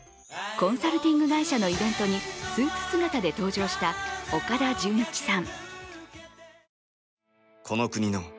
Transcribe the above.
コンサルティング会社のイベントにスーツ姿で登場した岡田准一さん。